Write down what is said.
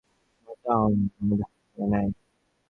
মার্টন, আমাদের হাতে সময় নেই।